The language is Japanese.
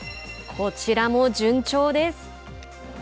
こちらも順調です。